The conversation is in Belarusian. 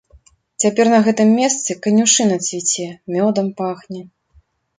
Цяпер на гэтым месцы канюшына цвіце, мёдам пахне.